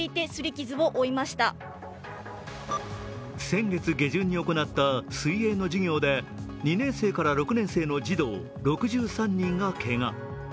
先月下旬に行った水泳の授業で２年生から６年生の児童６３人がけが。